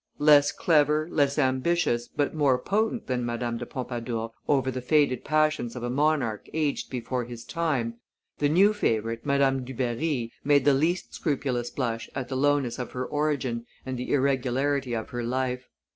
Less clever, less ambitious, but more potent than Madame de Pompadour over the faded passions of a monarch aged before his time, the new favorite, Madame Dubarry, made the least scrupulous blush at the lowness of her origin and the irregularity of her life.